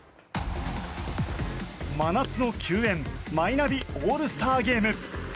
真夏の球宴マイナビオールスターゲーム。